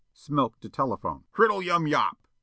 Smilk, to telephone: "Crittelyum Yop."